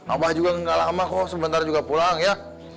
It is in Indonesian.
abah juga gak lama kok sebentar juga pulang ya